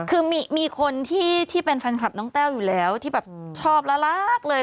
คือมีคนที่เป็นแฟนคลับน้องแต้วอยู่แล้วที่แบบชอบแล้วรักเลย